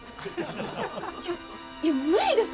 いやいや無理です。